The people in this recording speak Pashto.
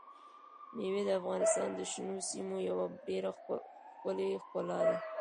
مېوې د افغانستان د شنو سیمو یوه ډېره ښکلې ښکلا ده.